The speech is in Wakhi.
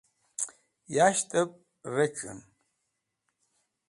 yas̃ht'ep rec̃h'en